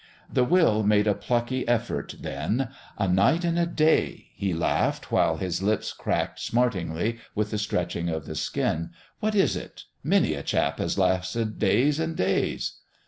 The will made a plucky effort then. "A night and a day," he laughed, while his lips cracked smartingly with the stretching of the skin, "what is it? Many a chap has lasted days and days...!"